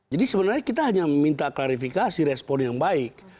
jadi sebenarnya kita hanya meminta klarifikasi respon yang baik